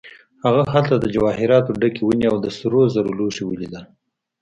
هغه هلته د جواهراتو ډکې ونې او د سرو زرو لوښي ولیدل.